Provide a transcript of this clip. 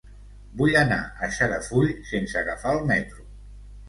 Vull anar a Xarafull sense agafar el metro.